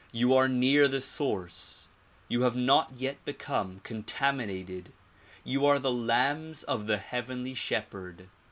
You are near the source ; you have not yet become contaminated. You are the lambs of the heavenly shepherd.